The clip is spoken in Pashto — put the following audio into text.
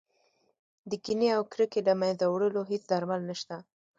د کینې او کرکې له منځه وړلو هېڅ درمل نه شته.